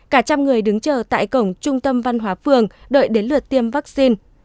cả trăm người đứng chờ tại cổng trung tâm văn hóa phường đợi đến lượt tiêm vaccine